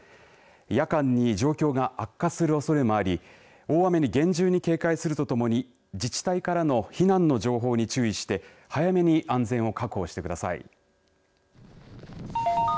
夜間に状況が悪化するおそれもあり大雨に厳重に警戒するとともに自治体からの避難の情報に注意して早めに安全を確保してください。